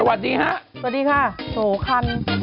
สวัสดีค่ะ